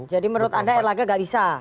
jadi menurut anda erlangga tidak bisa